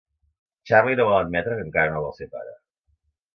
Charlie no vol admetre que encara no vol ser pare.